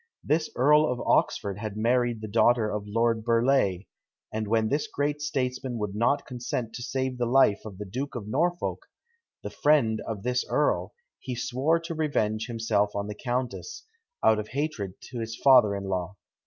This Earl of Oxford had married the daughter of Lord Burleigh, and when this great statesman would not consent to save the life of the Duke of Norfolk, the friend of this earl, he swore to revenge himself on the countess, out of hatred to his father in law.